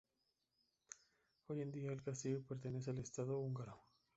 Hoy en día, el castillo pertenece al Estado Húngaro.